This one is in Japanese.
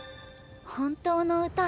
本当の歌。